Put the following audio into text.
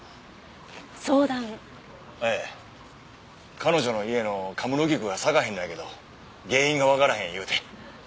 彼女の家の神室菊が咲かへんのやけど原因がわからへん言うて。